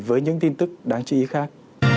với những tin tức đáng chí ý khác